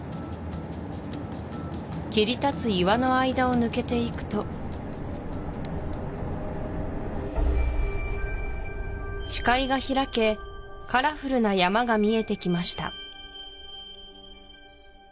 切り立つ岩の間を抜けていくと視界が開けカラフルな山が見えてきました